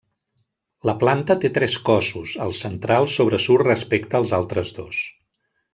La planta té tres cossos, el central sobresurt respecte als altres dos.